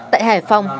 tại hải phòng